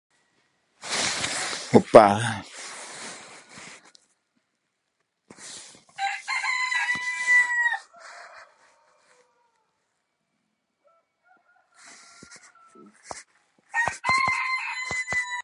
Gwendoline Butler writes in "A Coffin for the Canary" "Perhaps we are robots.